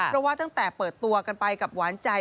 เพราะว่าตั้งแต่เปิดตัวกันไปกับหวานใจ